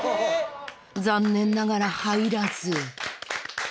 ［残念ながら入らず］